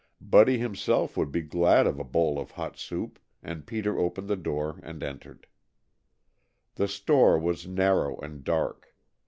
Buddy himself would be glad of a bowl of hot soup, and Peter opened the door and entered. The store was narrow and dark.